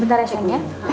bentar ya cek mernah ya